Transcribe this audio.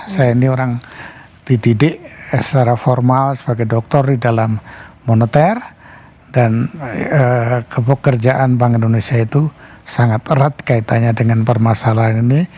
saya ini orang dididik secara formal sebagai doktor di dalam moneter dan kepekerjaan bank indonesia itu sangat erat kaitannya dengan permasalahan ini